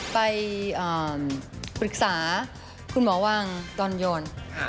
ไปปรึกษาคุณหมอวังตอนโยน